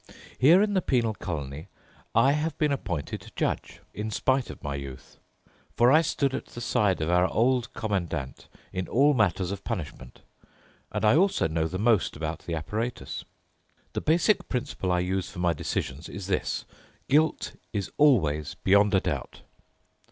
Here in the penal colony I have been appointed judge. In spite of my youth. For I stood at the side of our Old Commandant in all matters of punishment, and I also know the most about the apparatus. The basic principle I use for my decisions is this: Guilt is always beyond a doubt.